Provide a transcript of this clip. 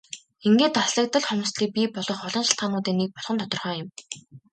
Ингээд алслагдал хомсдолыг бий болгох олон шалтгаануудын нэг болох нь тодорхой юм.